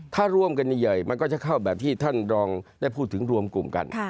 ถ้าร่วมกันใหญ่มันก็จะเข้าแบบที่ท่านรองได้พูดถึงรวมกลุ่มกัน